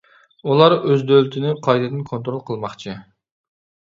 ئۇلار ئۆز دۆلىتىنى قايتىدىن كونترول قىلماقچى.